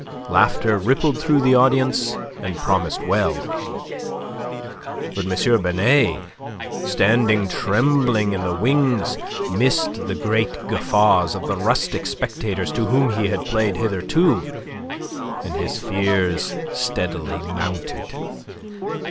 Laughter rippled through the audience and promised well. But M. Binet, standing trembling in the wings, missed the great guffaws of the rustic spectators to whom they had played hitherto, and his fears steadily mounted.